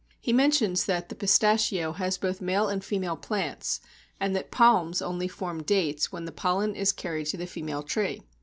He mentions that the Pistacio has both male and female plants, and that Palms only form dates when the pollen is carried to the female tree.